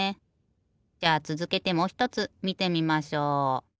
じゃあつづけてもうひとつみてみましょう。